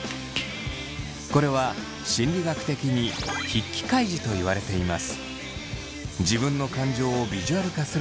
これは心理学的に筆記開示と言われています。